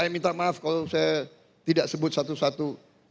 saya minta maaf kalau saya tidak sebut satu satu